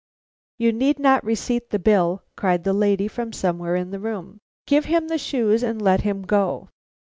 'You need not receipt the bill,' cried the lady from somewhere in the room. 'Give him the shoes and let him go.'